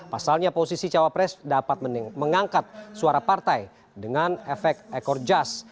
pasalnya posisi cawapres dapat mengangkat suara partai dengan efek ekor jas